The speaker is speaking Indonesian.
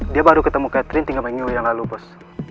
dia baru ketemu catherine tiga minggu yang lalu bos